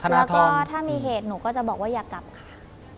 แล้วก็ถ้ามีเหตุหนูก็จะบอกว่าอย่ากลับค่ะ